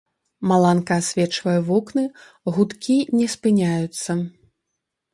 Маланка асвечвае вокны, гудкі не спыняюцца.